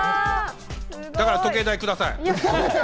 だから時計代ください。